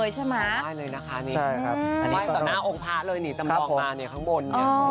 ตามน้าองค์มาข้างบน